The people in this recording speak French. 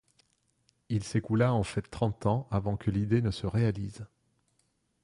Il s'écoula en fait trente ans avant que l'idée ne se réalise.